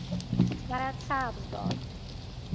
سرت سبز باد